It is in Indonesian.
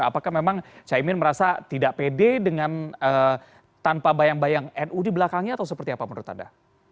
apakah memang caimin merasa tidak pede dengan tanpa bayang bayang nu di belakangnya atau seperti apa menurut anda